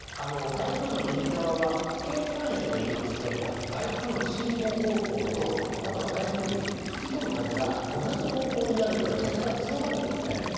台風の右側は危険半円といいまして台風の進行方向と台風に吹き込む風が同じ方向になるので風が強まるんですね。